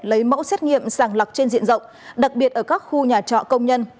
lấy mẫu xét nghiệm sàng lọc trên diện rộng đặc biệt ở các khu nhà trọ công nhân